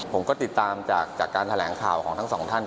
ผมก็ติดตามจากการแถลงข่าวของทั้งสองท่าน